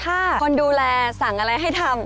คนดูแลสั่งอะไรให้ทำ